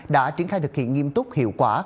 đã triển khai thực hiện nghiêm túc hiệu quả